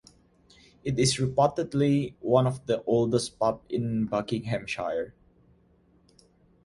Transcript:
It is reputedly one of the oldest pub in Buckinghamshire.